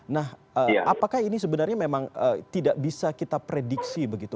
nah apakah ini sebenarnya memang tidak bisa kita prediksi begitu